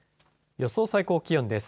予想最高気温です。